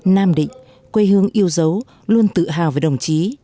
nam định quê hương yêu dấu luôn tự hào về đồng chí